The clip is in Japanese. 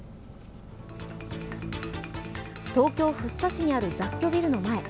東京・福生市にある雑居ビルの前。